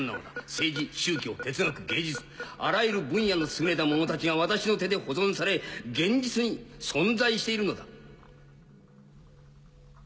政治宗教哲学芸術あらゆる分野の優れた者たちが私の手で保存され現実に存在しているのだ。